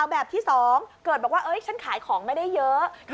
แบบที่๒เกิดบอกว่าฉันขายของไม่ได้เยอะ